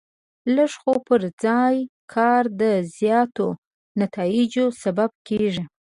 لږ خو پر ځای کار د زیاتو نتایجو سبب کېږي.